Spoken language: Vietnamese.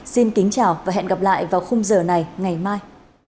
xin kính chào và hẹn gặp lại vào khung giờ này ngày mai